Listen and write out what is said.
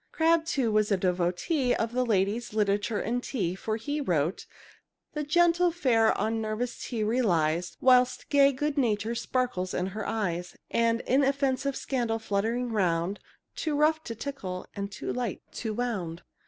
Crabbe, too, was a devotee of ladies, literature, and tea, for he wrote: "The gentle fair on nervous tea relies, Whilst gay good nature sparkles in her eyes; And inoffensive scandal fluttering round, Too rough to tickle and too light to wound."